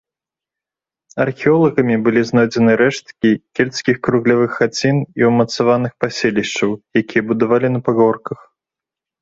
Археолагамі былі знойдзены рэшткі кельцкіх круглявых хацін і ўмацаваных паселішчаў, якія будавалі на пагорках.